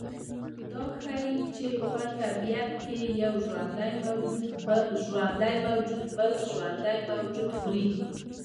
دا ښیي چې په طبیعت کې یو ژوندی موجود بل ژوندی موجود خوري